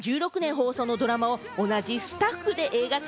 放送のドラマを同じスタッフで映画化。